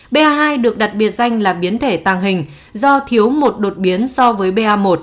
ba hai được đặc biệt danh là biến thể tàng hình do thiếu một đột biến so với ba một